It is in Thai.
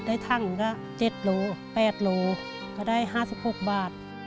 ได้ทั้งก็๗ลูก๘ลูกก็ได้๕๖บาท